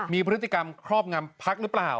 มีพฤติกรรมครอบงำพักหรือเปล่า